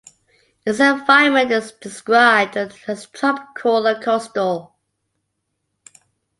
Its environment is described as tropical and coastal.